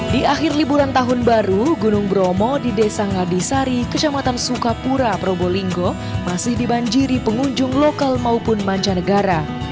di akhir liburan tahun baru gunung bromo di desa ngadisari kecamatan sukapura probolinggo masih dibanjiri pengunjung lokal maupun mancanegara